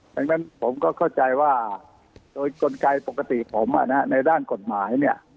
ดังนั้นผมก็เข้าใจว่าโดยกลไกปกติผมในด้านกฎหมายเนี่ย